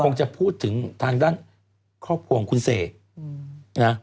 คงจะพูดถึงทางด้านครอบครัวของคุณเสกนะ